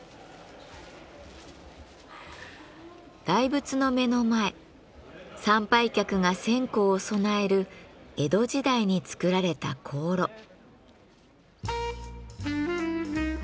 大仏の目の前参拝客が線香を供える江戸時代に作られた香炉。